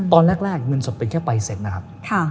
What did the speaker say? ตอนแรกเงินสดเป็นแค่ใบเสร็จนะครับ